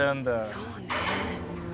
そうね。